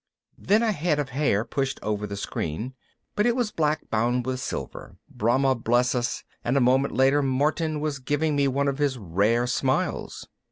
_Then a head of hair pushed over the screen. But it was black bound with silver, Brahma bless us, and a moment later Martin was giving me one of his rare smiles.